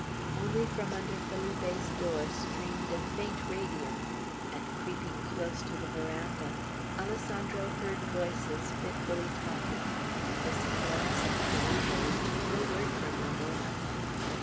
Only from under Felipe's door streamed a faint radiance; and creeping close to the veranda, Alessandro heard voices fitfully talking, the Senora's and Felipe's; no word from Ramona.